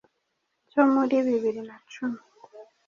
cyo muri bibiri na cumi